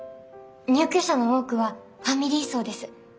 入居者の多くはファミリー層です。